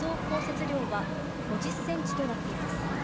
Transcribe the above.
降雪量は５０センチとなっています。